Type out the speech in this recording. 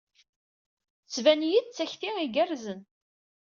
Tettban-iyi-d d takti igerrzen!